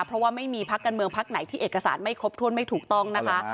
เพราะว่าไม่มีพักการเมืองพักไหนที่เอกสารไม่ครบถ้วนไม่ถูกต้องนะคะ